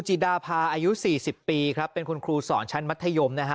จิดาพาอายุ๔๐ปีครับเป็นคุณครูสอนชั้นมัธยมนะฮะ